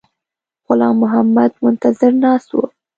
غلام محمد منتظر ناست وو.